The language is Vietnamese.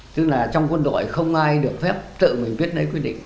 tức là trong quân đội không ai được phép tự mình viết nấy quyết định